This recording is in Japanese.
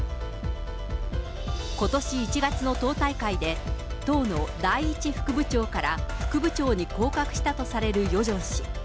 ことし１月の党大会で、党の第１副部長から副部長に降格したとされるヨジョン氏。